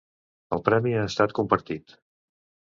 El premi ha estat compartit.